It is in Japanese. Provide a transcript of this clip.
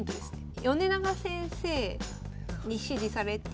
米長先生に師事されて。